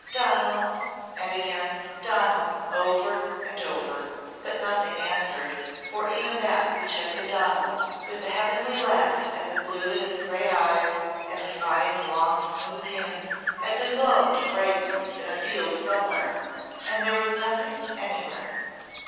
"Donal!" And again, "Donal!" over and over. But nothing answered, for even that which had been Donal with the heavenly laugh and the blue in his gay eyes and the fine, long smooth hands had been blown to fragments in a field somewhere and there was nothing anywhere.